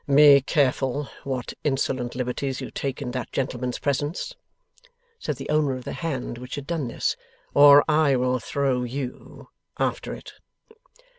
'Be careful what insolent liberties you take in that gentleman's presence,' said the owner of the hand which had done this, 'or I will throw you after it.